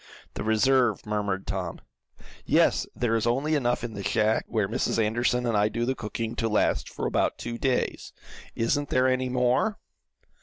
"The reserve," murmured Tom. "Yes, there is only enough in the shack where Mrs. Anderson and I do the cooking, to last for about two days. Isn't there any more?"